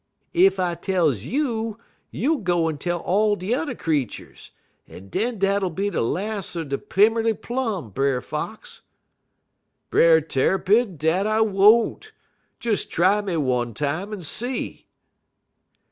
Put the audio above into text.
"'Ef I tells you, you'll go en tell all de t'er creeturs, en den dat'll be de las' er de Pimmerly Plum, Brer Fox.' "'Brer Tarrypin, dat I won't. Des try me one time en see.'